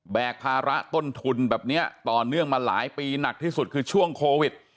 กภาระต้นทุนแบบนี้ต่อเนื่องมาหลายปีหนักที่สุดคือช่วงโควิด